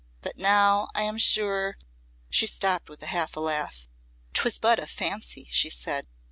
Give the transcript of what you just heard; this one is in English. But now, I am sure " She stopped with a half laugh. "'Twas but a fancy," she said.